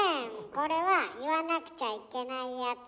これは言わなくちゃいけないやつ。